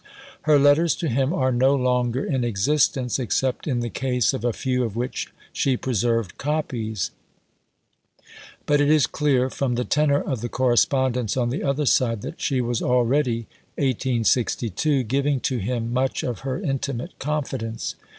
Her letters to him are no longer in existence, except in the case of a few of which she preserved copies; but it is clear from the tenor of the correspondence on the other side that she was already (1862) giving to him much of her intimate confidence.